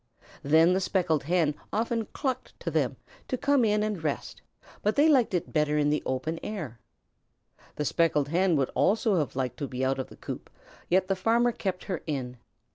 Then the Speckled Hen often clucked to them to come in and rest, but they liked it better in the open air. The Speckled Hen would also have liked to be out of the coop, yet the farmer kept her in.